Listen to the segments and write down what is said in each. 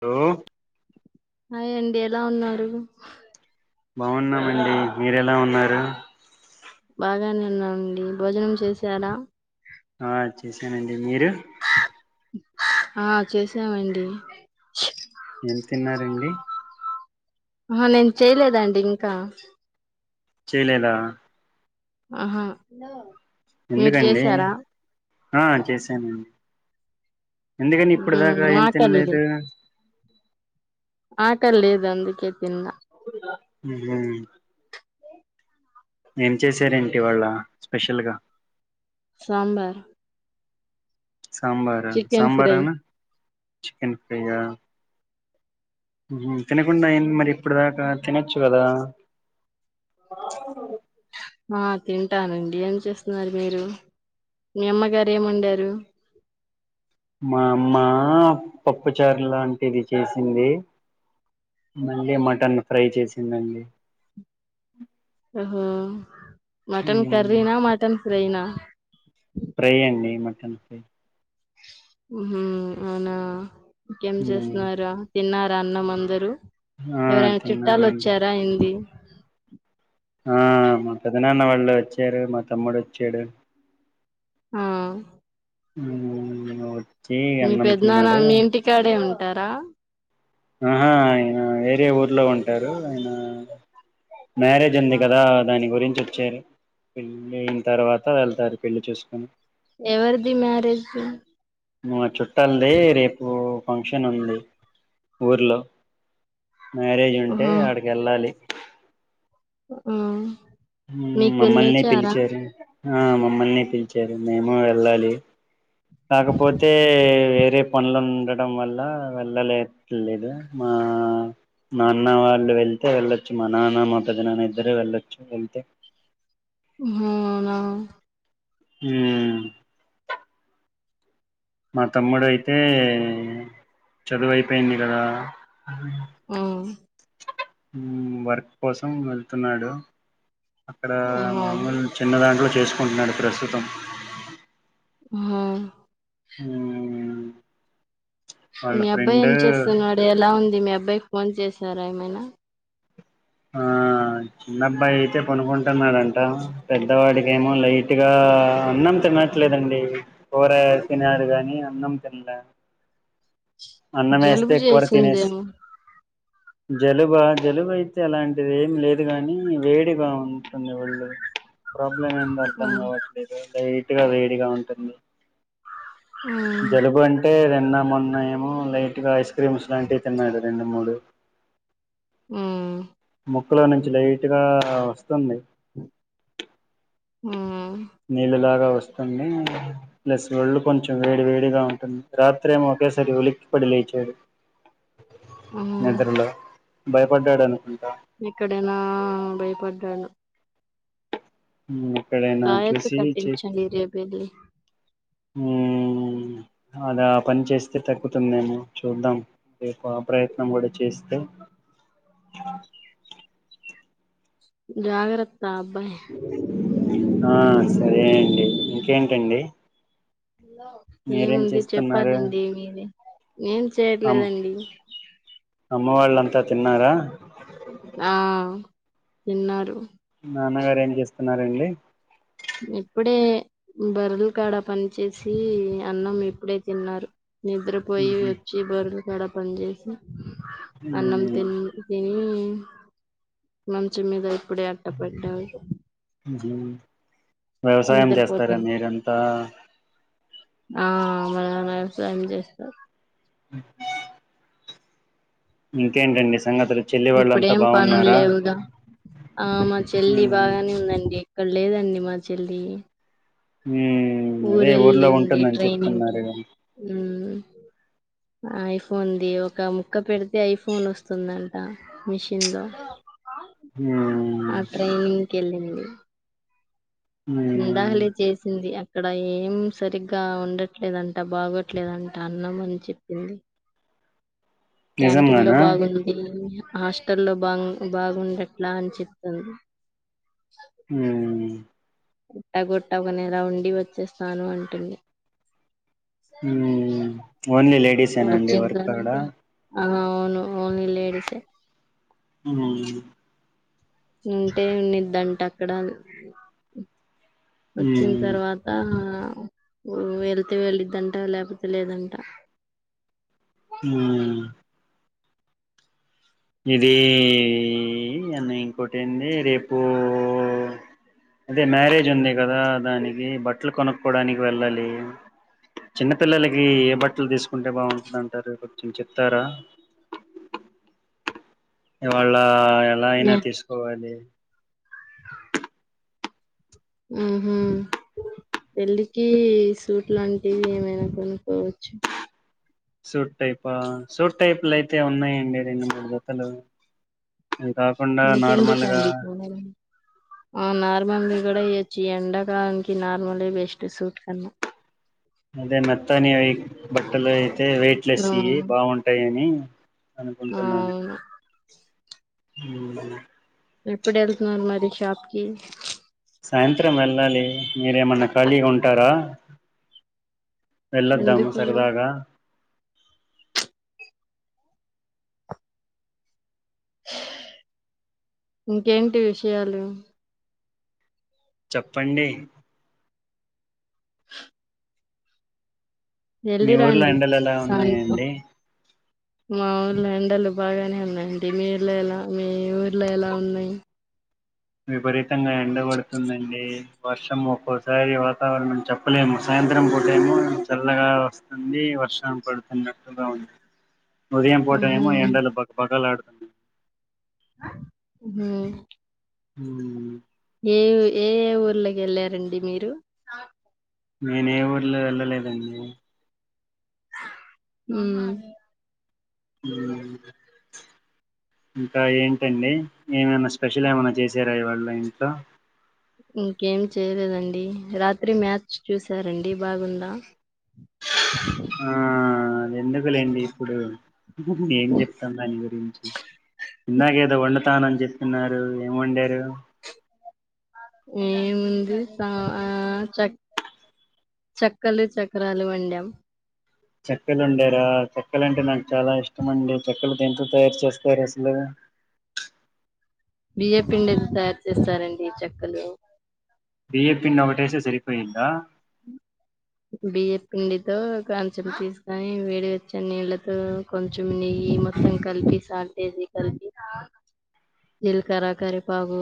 హ హాయ్ అండి ఎలా ఉన్నారు బాగున్నామండి మీర ఎలా ఉన్నారు బాగానేవున్నాండి భోజనం చేశారా ఆ చేసానండి మీరు ఆ చేసామండి ఏం తిన్నారండి ఆహ్ నేను చేయలేదండి ఇంకా చేయలేదా ఆహా మీరు ఎందుకండి చేసారా ఆ చేసానండి ఎందుకని ఇప్పుటి దాకా ఏం ఆకలి లే- తినలేదు ఆట లేదు అందుకే తిన్నా అవు హ్మ్ హు ఏం చేసారేంటి ఇవాళ్ళ స్పెషల్గా సాంబార్ సాంబార్ అ చికెన్ ఫ్రై సాంబారేనే చికెన్ ఫ్రై ఆహ్ హ్మ్ హు తినకుండా ఏంటి మరి ఇప్పుటి దాకా తినొచ్చు కదా ఆ తింటానండి ఏం చేస్తున్నారు మీరు మీ అమ్మగారు ఏం వండారు మా అమ్మా పప్పుచారు లాంటిది చేసింది మళ్ళీ మటన్ ఫ్రై చేసిందండి. హా మటన్ ఉమ్ కర్రీనా మటన్. ఫ్రైనా ఫ్రై అండి మటన్ ఫ్రై. హ్మ్ హు అవునా ఇకేం ఉమ్ చేస్తున్నారా తిన్నార్ అన్నమందరు ఆ ఎవరైనా చుట్టాలు తిన్నామండి వచ్చారా ఏంది ఆహ్ మా పెద్దనాన్న వాళ్ళు వచ్చారు మా తమ్ముడు వచ్చాడు ఆహ్ ఉం మీ పెద్దనాన్న మీ ఇంటికాడే ఉం టార ఆహా ఆయన వేరే ఊర్లో ఉంటారు ఆయన మ్యారేజ్ ఉంది కదా దాని గురించి వచ్చారు పెళ్ళైన తర్వాత వెళ్తారు పెళ్లి చూసుకొని. ఎవరిది మ్యారేజు మా చె తల్దీ రేపు ఫంక్షన్ ఉంది ఊర్లో. మ్యారేజ్ ఉంటే ఆడికి ఎళ్ళాలి ఉ ఆ ఉమ్ మీకు మమ్మల్ని వెళ్ళొచ్చారా పిలిచారు. ఆహ్ మమ్మల్ని పిలిచారు మేము వెళ్ళాలి కాకపోతే వేరే పనులు ఉండడం వల్ల వెళ్ళాలేట్లేదు మా నాన్న వాళ్ళు వెళ్తే వెళ్ళొచ్చు మా నాన్న మా పెద్ద నాన్న ఇద్దరే వెళ్ళొచ్చు వెళ్తే హా అవునా హుం మా తమ్ముడుయితే చదువయిపోయింది కదా హూ వర్క్ కోసం వెళ్తున్నాడు అక్కడ ఆహా మామూలు చిన్న దాంట్లో చేసుకుంటున్నాడు ప్రస్తుతం హా మ్మ్ వాళ్ళ మీ అబ్బాయి ఫ్రెండ్ ఏం చేస్తున్నాడు ఎలా ఉం ది మీ అబ్బాయికి ఫోన్ చేసారా ఏమైనా ఆ చిన్నబ్బాయి అయితే కొనుకుంటున్నాడంట పెద్దవాడికిేమో లైట్గా అన్నం తినట్లేదండి కూర తినడు కానీ అన్నం తినలే జలుబు అన్నమేస్తే కూర తినేసి చేసిందేమో జలుబా జలుబు అయితే అలాంటిది ఏమి లేదు గాని వేడిగా ఉంటుంది ఒళ్ళు ప్రాబ్లం ఏంది అర్థం ఆ కావట్లేదు [unintelligible] తిగా వేడిగా ఉంటుంది ఆ జలుబు అంటే రెన్న మొన్న ఏమో లైట్ గా ఇ స్ క్రీమ్స్ లాంటివి తిన్నాడు రెండు మూడు హూమ్ ముక్కులో నుంచి లైట్ గా వస్తుంది హుమ్ నీలు లాగా వ స్తుంది ప్లస్ ఒళ్ళు కొంచెం వేడి వేడిగా ఉంటుంది రాత్రేమో ఒకేసారి ఉలిక్కి పడి లేచాడు ఆ నిద్రలో భయపడ్డాడ అనుకు ఇక్కడ నా భయపడ్డాడు ఉమ్ ఎక్కడైనా చూసి చె వెళ్లి అద ఆ పని చేస్తే తగ్కుతుందేమో చూద్దాం రేపు ఆ ప్రయత్నం కూడా చేస్తే జాగ్రత్ బాబ్బా ఆ సరే అండి ఇంకేంటండి మీరేం ఏముంది చేస్తున్నారు చెప్పాలండి మీరే ఏం అమ్ చేయట్లేదండి అమ్మ వాళ్ళంతా తిన్నారా ఆ తిన్నారు నాన్నగారు ఏం చేస్తున్నారండి ఇప్పుడే బర్ర్లుకాడా పని చేేసి అన్నం ఇప్పుడే తిన్నారు నిద్రపోయి వచ్చి బర్లు క్కడ పని చేసి అన్నం తీన్ తిని మంచె మీద ఇప్పుడే అట్టపెట్టు ఉమ్ వ్యవసాయం చేస్తారా మీరంతా ఆ వ వ్యవసాయం చేస్తారు [inaudible] ఇంకేంటండి సంగతులు చెల్లి వాళ్ళంతా ఇప్పుడేం పను బాగున్నారా లేవుగా ఆ మా చెల్లి ఉమ్ బాగానే ఉందండి అక్కడ లేదండి మా చెల్లి ఉమ్ అదే ఊర్లో ఊరెల్లింది ఉంటుందని ట్రైనింగ్కిి చెప్తున్నారు ఉమ్ ఐఫోన్ది ఒక ముక్క పెడితే ఐఫోన్ వస్తుందంట మిషిన్ లో ఉమ్ ఆ ట్రైనింగ్ కెళ్ళింది ఉమ్ ఇందాకలే చేసింది ఇక్కడ ఏం సరిగ్గా ఉండట్లేదంట బాగోట్లేదంట అన్నాం అని చెప్పింది క్యాంటీన్ లో నిజంగానా బాగుంది హాస్టల్లో బంగ్ బాగుండట్లా అని చెప్తుంది హూ గుట్ట గుట్ట ఒక నెల ఉండి వచ్చేస్తాను అంటుంది ఉమ్ ఓన్లీ లేడీసేనా అండి వర్క్ అక్కడ అ అవును ఓన్లీ లేడీసే హ్మ్ ఉంటే ఉన్నిద్దట్ట అక్కడ వచ్చిన ఉమ్ తర్వాత వెళ్తే వెళ్ళద్దంట లేకపోతే లేదంట ఆ ఇదిన్న ఇంకోటి ఏడి రేపు అదే మ్యారేజ్ ఉంది ఉంది కదా దానికి బట్టలు కొనుక్కోడానికి వెళ్ళాలి చిన్నపిల్లలకి ఏ బట్టలు తీసుకుంటే బాగుంటుంది అంటారు కొంచెం చెప్తారా ఇవాళ్ళ ఎలా అయినా తీసుకోవాలి [inaudible] హ్మ్ హు పెళ్ళికి సూట్ లాంటివి ఏమైనా కొనుక్కోవచ్చు సూట్ టైపా సూట్ టైపులు అయితే ఉన్నాయండి రెండు మూడు జతలు అవి కాకుండా ఇంకెందుకు నార్మల్ గా అండి కొనడం ఆ నార్మల్ కూడా ఇచ్చి ఎండకానికి నార్మలే బెస్ట్ సూట్ కన్నా అదే మెత్తని అయి బట్టలె అయితే వెయిట్లెస్ ఆ యి బాగుంటాయి అని ఆ అనుకుంటున్నానె అవును హ్మ్ ఎప్పుడు వెళ్తున్నారు మరి షాప్ కి సాయంత్రం వెళ్ళాలి మీరేమన్నా ఖాళీగా ఉంటారా వెళ్ళోద్దాము ఎందుకు సరదగా ఇంకేంటి విషయాలు చెప్పండి మీ ఊర్లో వెళ్ళిరండి ఎండలు ఎలా సాయంత్రం ఉన్నాయండి మా ఊర్లో ఎండలు బాగానే ఉన్నాయండి మీ ఊర్లో ఎలా మీ ఊర్లో ఎలా ఉన్నాయి విపరీతంగా ఎండబడుతుందండి వర్షం ఒక్కోసారి వాతావరణం చెప్పలేము సాయంత్రం పూటేమె చల్లగా వస్తుంది వర్షం పడుతున్నట్టుగా ఉంది ఉదయం పోట ఉహు ఏమో ఎండలు భగభగ లాడు హ్మ్ హ్మ్ ఏ ఏ ఏ ఊర్లోకి వెళ్ళారండి మీరు నేను ఏ ఊరిలో వెళ్ళలేదండి హ్మ్ హ్మ్ ఇంకా ఏంటండి ఏమైనా స్పెషల్ ఏమై చేసారా ఈ వాళ్ళు ఇంతో ఇంకేం చేయలేదండి రాత్రి మ్యాచ్ చూసారండి బాగుందా ఆ ఎందుకులేండి ఇప్పుడు ఏం చెప్తాను దాని గురించి ఇందాకేదో వండుతానని చెప్ప తిన్నారు ఏం వండారు ఏముంది సా ఆ చ చక్కలు చక్రాలు వండాం చెక్కలు ఉండరాా చెక్కలు అంటే నాకు చాలా ఇష్టం అండి చెక్కలు దేంతో తయారు చేస్తారు అసలు బియ్యం పిండి తయారు చేస్తారండి చెక్కలు బియ్యం పిండి ఒకటేస్తే సరిపోయిద్దా బియ్య పిండితో కొంచెం తీసుకని వేడి వచ్చిన నీళ్ళతో కొంచెం నెయ్యి మొత్తం కలిపి సాల్ట్ ఏసి కలిపి జీలకర్ర కరివెపాకు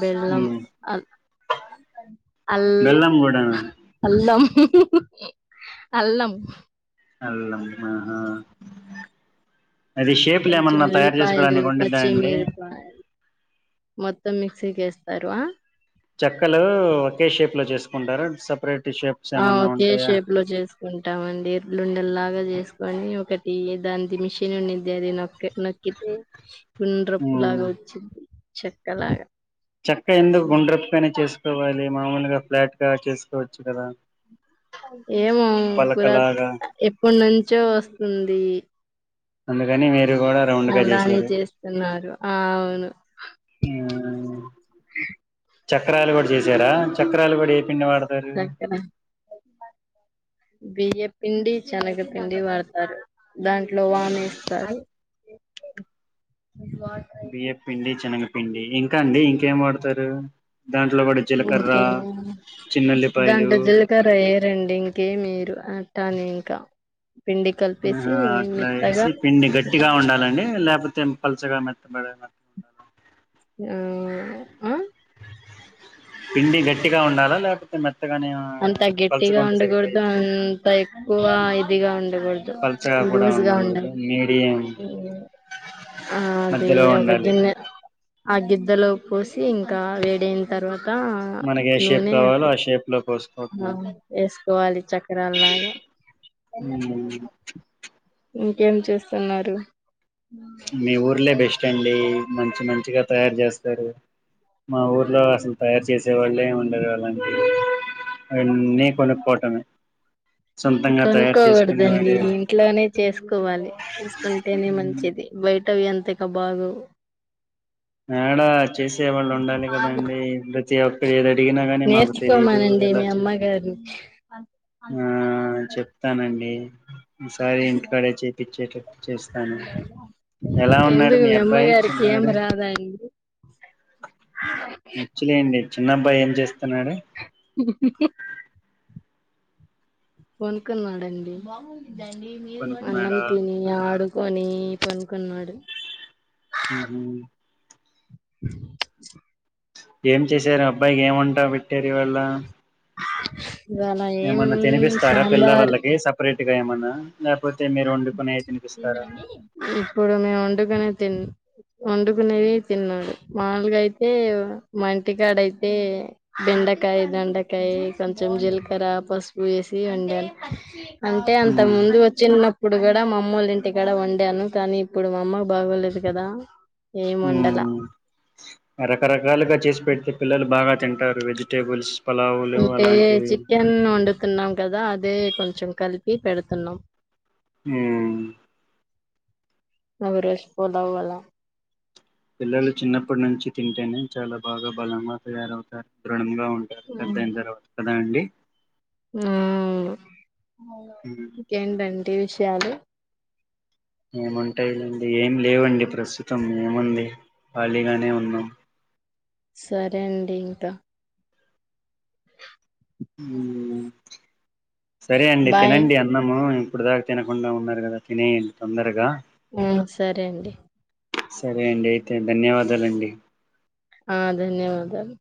బెల్లం ఉమ్, అ అల్ బెల్లం కూడా అల్లం అల్లం అల్లం ఆహా అది షేపులు కొంచం ఏమన్నా ఉల్లి తయారు పాయలు చేసుకోవడానికి ఉండిద్దా అండి పచ్చిమిరప మె మొత్తం మిక్సీకి వేస్తారూ ఆ చెక్కలు ఒకే షేప్ లో చేసుకుంటార సపరేట్ షేప్స్ ఆ ఏమన్నా ఒకే ఉంటాయా షేప్ లో చేసుకుంటామండి ఇర్లుఉండెల్లా బాగా చేసుకోనీ ఒకటి దానిది మిషిన్ ఉండింది అది నొ కె నక్కితే గుండ్రప్పు లాగా వచ్చింద్ది చెక్కలాగా చక్క ఎందుకు గుండ్రపుగానే చేసుకోవాలి మామూలుగా ఫ్లాట్ గా చేసుకో చ్చు గదా ఏమో కుర ఎప్పు నుంచో వస్తుంది అందుకని మీరు కూడా రౌండ్ గా అలానే చేశారు చేస్తున్నారు ఆ అవును ఉమ్. చక్రాలు కూడా చేసారా చక్రాలు కూడా పిండి వాడతారు చక్కర బియ్య పిండి శనగపిిండి వాడతారు దాంట్లో వాము వేస్తారు బియ్యపిండి శనగ పిండి ఇంకా అండి ఇంకేం వాడతారు దాంట్లో కూడా జీలకర్ర ఇంకే చిన్నుల్లిపాయలు దాంట్లో జీలకర్ర ఎయ్యారండి ఇంకేం ఏయారు దాని ఇంకా పిండి కలిపేసి ఆహ అట్లా మెత్తగా వేసి పిండి గట్టిగా ఉండాలండి లేపోతే పల్చగా మెత్తగా కా ఆ అ పిండి గట్టిగా ఉండాలా లేకపోతే మేత్ అంత గట్టిగా ఉండకూడదు అంత ఎక్కువ ఇదిగా ఉండకూడదు పలచగా కూడా లూజ్గా ఉండకూడదు ఉండాలి మీడియం ఆ అది మధ్యలో ఒక ఉండాలి గిన్నె ఆ గిద్దలో పోసి ఇంకా వేడైన తర్వా మనకి ఏ షేప్ కావాలో ఆ షేప్ లోకి వస్ ఆ వేసుకోవాలి చక్రాలాగా బెల్లం తీసుకురా ఇంకేం చేస్తున్నారు మీ ఊర్లే బెస్ట్ అండి మంచి మంచిగా తయార్ చేస్తారు మా ఊర్లో అసలు తయారు చేసే వాళ్ళే ఉండరు అలాంటివి అన్ని కొనుకోటమే కోనుక్కోకూడదండి ఇంట్లోనే చేసుకోవాలి చేసుకుంటేనే మంచిది బయటవి అంత ఇకా బాగోవు యాడ చేసేవాళ్ళు ఉండాలి కదండి ప్రతి ఒక్కరు ఏది అడిగినా కాని మాకు తెలిదు నేర్చుకోమనండి ఎలా మీ చేస్ అమ్మగారిని ఆ చెప్తానండి సరే ఇంటికాడే చేపిచ్చ్ ఓకే చేస్తాను ఎలా ఉన్నాడు ఎందుకు మీ అబ్బాయి అమ్మగారికి ఏం చిన్నాడు రాదా అండి వచ్చలేండి చిన్నబాయి ఏం చేస్త హు హు పనుకున్నడండి అన్నమ్ పనుకున్నాడా తని ఆడుకొని కొని పనుకున్నాడు హు హుహు ఏం చేశారు అబ్బాయికి ఏం వంట చేసారివల్ల ఇవాళ ఏం ఏమన్న తినిపిస్తారా పిల్ల వాళ్ళకి సపరేట్ గాఏమన్నా ఆ ఏందండి ఇప్పుడు మేం వండుకునేది తి వండుకునేవి తిన్నాడు మాముూలుగా అయితే మా ఇంటికాడ అయితే బెండకాయ దొండకాయ కొంచెం జీలకర్ర పసుపు వేసి వండాలి అంటే అంత ఉమ్ ముందు వచ్చినప్ ఇప్పుడు కూడా మా అమ్మోళ్లు ఇంటికాడ వండాను కానీ ఇప్పుడు మా అమ్మ బాగోలేదు కదా ఏం హు వండలా రకరకాలుగా చేసి పెడితే పిలల్లకూ బాగా తింటారు వెజిటేబుల్స్ పలావులు అంటే అలాంటివి చికెన్ వండుతున్నాం కదా అదే కొంచెం కలిపి పెడుతున్నాం మ్ మ రష్ పోదమల పిల్లలు చిన్నప్పటి నుంచి తింటేనే చాలా బాగా బలంగా తయారవుతారు దృడంగా పెద్ద అయిన తర్వాత కదా అండి ఆ ఉమ్ ఇంకేంటండి విషయాలు ఏముంటాయి లేండి ఏం లేవండి ప్రస్తుతం ఏముంది ఖాళీగానే ఉన్నాం సరే అండి ఇంక మ్ సరే అండి బాయ్ తినండి అన్నము ఇప్పుడుదాకా తినకుండా ఉన్నారు కదా తినేయండి తొందరగా ఆ సరే అండి సరే అండి అయితే ధన్యవాదాలండి ఆ ధన్యవాదాలు